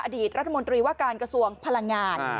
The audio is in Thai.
อดีตรัฐมนตรีว่าการกระทรวงพลังงาน